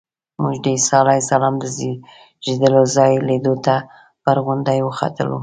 موږ د عیسی علیه السلام د زېږېدلو ځای لیدو ته پر غونډۍ وختلو.